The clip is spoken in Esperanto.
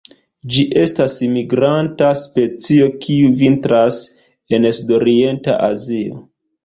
Ĝi estas migranta specio, kiu vintras en sudorienta Azio.